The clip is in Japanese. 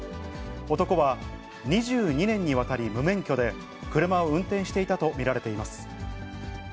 男は２２年にわたり無免許で、車を運転していたと見られています。